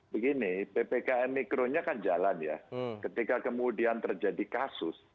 begini ppkm mikronya kan jalan ya ketika kemudian terjadi kasus